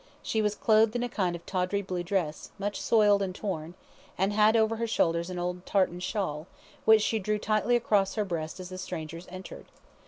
She was clothed in a kind of tawdry blue dress, much soiled and torn, and had over her shoulders an old tartan shawl, which she drew tightly across her breast as the strangers entered.